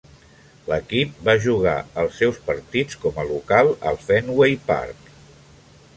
L'equip va jugar els seus partits com a local al Fenway Park.